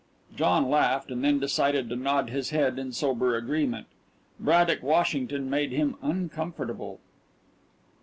John laughed, and then decided to nod his head in sober agreement. Braddock Washington made him uncomfortable.